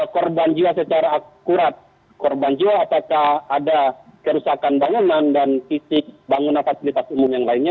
korban jiwa secara akurat korban jiwa apakah ada kerusakan bangunan dan fisik bangunan fasilitas umum yang lainnya